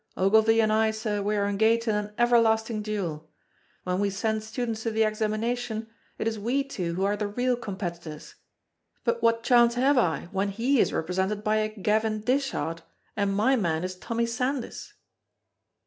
Ogilvy and I, sir, we are engaged in an everlasting duel; when we send students to the examinations, it is we two who are the real competitors, but what chance have I, when he is represented by a Gavin Dishart and my man is Tommy Sandys?"